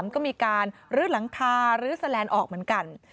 ก็มีการลื้อหลังคารื้อแสลนด์ออกเหมือนกัน